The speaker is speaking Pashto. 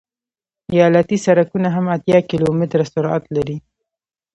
ایالتي سرکونه هم اتیا کیلومتره سرعت لري